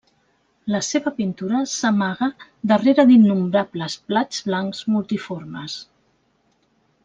La seva pintura s'amaga darrere d'innombrables plats blancs multiformes.